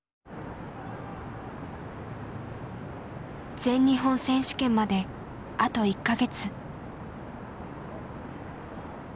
全日本選手権まであと１か月。